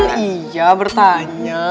hmm iya bertanya